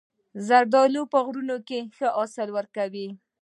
زردالو په غرونو کې ښه حاصل ورکوي.